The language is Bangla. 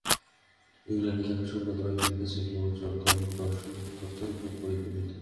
ইংলণ্ডের ধার্মিক সম্ভ্রান্ত ব্যক্তিদের কাছে এগুলি উচ্চতম দার্শনিক তত্ত্বরূপে পরিগণিত।